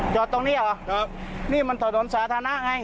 จอดตรงนี้เหรอครับนี่มันถนนสาธารณะไง